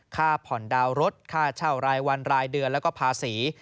ค่าผ่อนดาวน์รถค่าเช่ารายวันรายเดือนแล้วก็ภาษี